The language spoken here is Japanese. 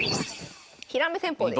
ひらめ戦法です。